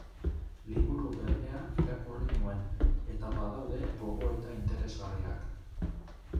Liburu Berdea irakurri nuen, eta badaude gogoeta interesgarriak.